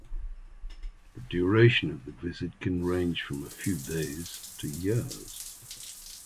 The duration of the visit can range from a few days to years.